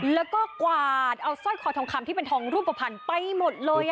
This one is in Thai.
แล้วก็กวาดเอาสร้อยคอทองคำที่เป็นทองรูปภัณฑ์ไปหมดเลย